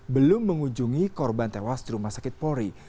belum mengunjungi korban tewas di rumah sakit polri